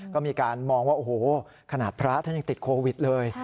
ก็มีการมองว่าโอ้โหขนาดพระท่านยังติดโควิดเลย